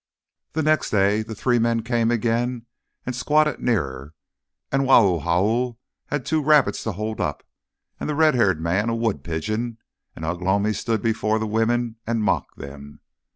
The next day the three men came again and squatted nearer, and Wau Hau had two rabbits to hold up, and the red haired man a wood pigeon, and Ugh lomi stood before the women and mocked them.